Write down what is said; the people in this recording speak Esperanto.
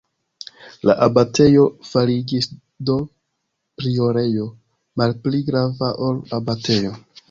La abatejo fariĝis do priorejo, malpli grava ol abatejo.